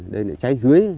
đây này cháy dưới